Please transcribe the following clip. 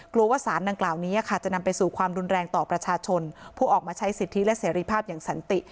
ว่าสารดังกล่าวนี้จะนำไปสู่ความรุนแรงต่อประชาชนผู้ออกมาใช้สิทธิและเสรีภาพอย่างสันติ